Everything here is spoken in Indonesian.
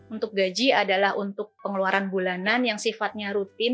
untuk gaji adalah untuk pengeluaran bulanan yang sifatnya rutin